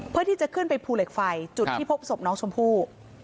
เพื่อที่จะขึ้นไปภูเหล็กไฟจุดที่พบศพน้องชมพู่